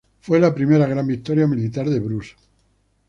Fue la primera gran victoria militar de Bruce.